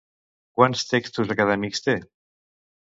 Quants textos acadèmics té?